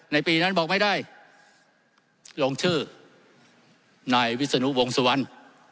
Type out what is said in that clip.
ในปีนั้นบอกไม่ได้ลงชื่อนายวิศนุวงสุวรรณ